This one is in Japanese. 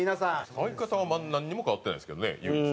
相方はなんにも変わってないですけどね唯一。